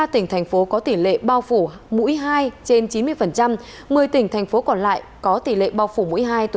ba tỉnh thành phố có tỷ lệ bao phủ mũi hai trên chín mươi một mươi tỉnh thành phố còn lại có tỷ lệ bao phủ mũi hai năm